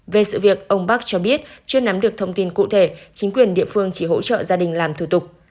về sự việc ông bắc cho biết chưa nắm được thông tin cụ thể chính quyền địa phương chỉ hỗ trợ gia đình làm thủ tục